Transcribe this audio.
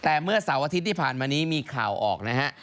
แต่เมื่อเสาร์อาทิตย์ที่ผ่านมานี้มีข่าวออกนะฮะ